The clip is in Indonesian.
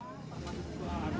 kita sudah siap lho bu